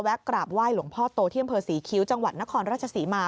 กราบไห้หลวงพ่อโตที่อำเภอศรีคิ้วจังหวัดนครราชศรีมา